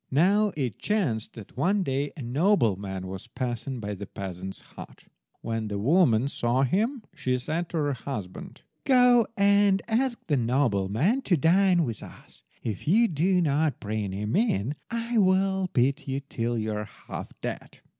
Now it chanced that one day a nobleman was passing by the peasant's hut. When the woman saw him she said to her husband— "Go and ask the nobleman to dine with us. If you do not bring him in I will beat you till you are half dead."